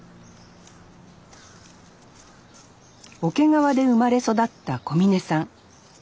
桶川で生まれ育った小峯さん。